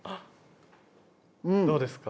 どうですか？